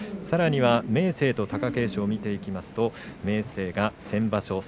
さらには明生、貴景勝を見ていきますと明生が先場所